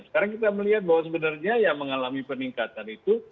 sekarang kita melihat bahwa sebenarnya yang mengalami peningkatan itu